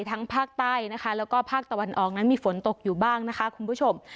ทั้งภาคใต้นะคะแล้วก็ภาคตะวันออกนั้นมีฝนตกอยู่บ้างนะคะคุณผู้ชม